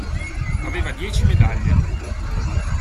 Aveva dieci medaglie.